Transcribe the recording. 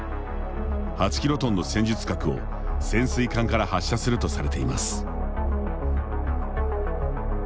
８キロトンの戦術核を潜水艦から発射するとされています。